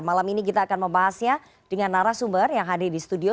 malam ini kita akan membahasnya dengan narasumber yang hadir di studio